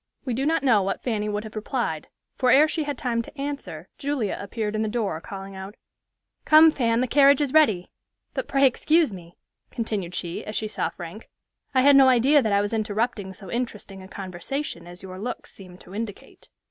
We do not know what Fanny would have replied; for ere she had time to answer Julia appeared in the door, calling out, "Come, Fan, the carriage is ready. But, pray excuse me," continued she, as she saw Frank, "I had no idea that I was interrupting so interesting a conversation as your looks seem to indicate."